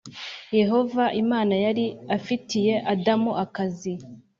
yehova imana yari afitiye adamu akazi.